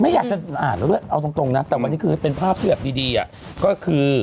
ไม่อยากจะอ่านด้วยเอาตรงนะแต่วันนี้คือเป็นภาพเสือกดีก็คือ